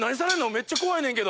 めっちゃ怖いねんけど。